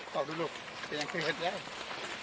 ตอบด้วยลูกเป็นอย่างแค่เห็ดย่าย